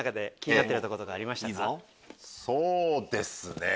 そうですねぇ。